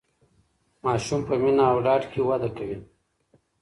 ماسوم په مینه او ډاډ کې وده کوي.